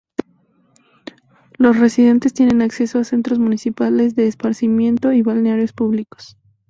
Los residentes tienen acceso a centros municipales de esparcimiento y balnearios públicos.